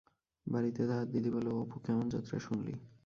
বাড়িতে তাহার দিদি বলে, ও অপু, কেমন যাত্রা শূনলি?